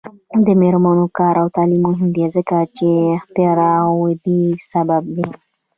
د میرمنو کار او تعلیم مهم دی ځکه چې اختراع ودې سبب دی.